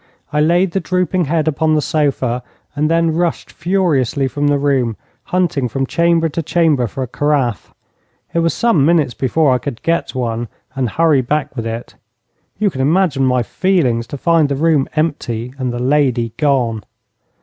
I laid the drooping head upon the sofa, and then rushed furiously from the room, hunting from chamber to chamber for a carafe. It was some minutes before I could get one and hurry back with it. You can imagine my feelings to find the room empty and the lady gone.